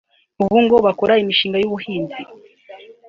ubu ngo bakora imishinga y’ubuhinzi